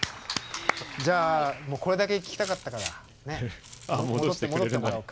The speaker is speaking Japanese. じゃあこれだけ聞きたかったから戻ってもらおうか。